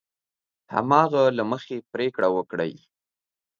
هماغه له مخې پرېکړه وکړي.